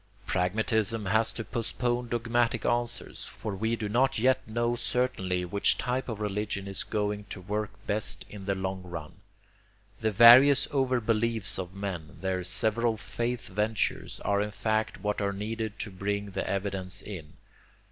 Pragmatism has to postpone dogmatic answer, for we do not yet know certainly which type of religion is going to work best in the long run. The various overbeliefs of men, their several faith ventures, are in fact what are needed to bring the evidence in.